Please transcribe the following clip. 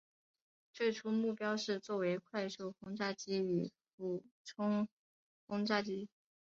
最初目标是作为快速轰炸机与俯冲轰炸机。